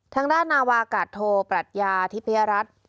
ทางด้านนาวากาศโทปรัชญาทิพยรัฐ